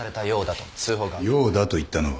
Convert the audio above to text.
「ようだ」と言ったのは？